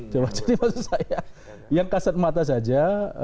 coba jadi maksud saya yang kasat mata saja